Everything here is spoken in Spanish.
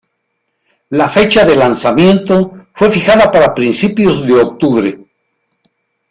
La fecha de lanzamiento fue fijada para principios de octubre.